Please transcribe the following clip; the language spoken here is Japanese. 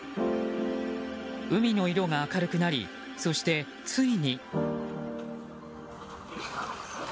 海の色が明るくなりそしてついに。